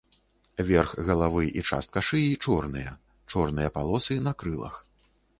Верх галавы і частка шыі чорныя, чорныя палосы на крылах.